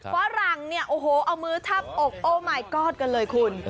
ฝรั่งเนี่ยโอ้โหเอามือทับอกโอ้หมายกอดกันเลยคุณ